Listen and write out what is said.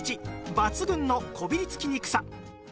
抜群のこびりつきにくさ！